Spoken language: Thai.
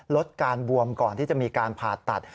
ลดการบวมก่อนที่จะมีการผ่าตัด